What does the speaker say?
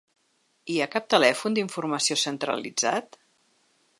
Hi ha cap telèfon d’informació centralitzat?